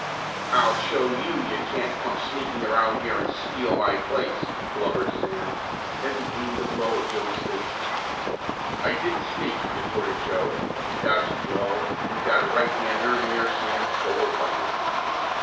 "I'll show you that you can't come sneaking around here and steal my place!" blubbered Sam, as he aimed a blow at Joe's face. "I didn't sneak!" retorted Joe, as he dodged the blow and got a right hander near Sam's solar plexus.